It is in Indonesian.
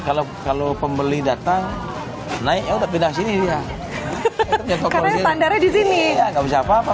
kalau kalau pembeli data naiknya udah pindah sini ya karena standarnya di sini nggak usah apa apa